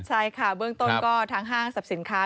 ใช่ค่ะเบื้องต้นก็ทางห้างสรรพสินค้า